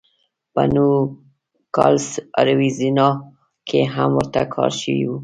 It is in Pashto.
په نوګالس اریزونا کې هم ورته کار شوی و.